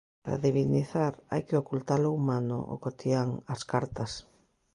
Para divinizar hai que ocultar o humano, o cotián, as cartas.